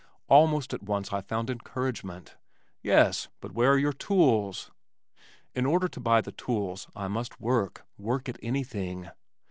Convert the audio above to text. Almost at once I found encouragement. "Yes, but where are your tools?" In order to buy the tools I must work, work at anything.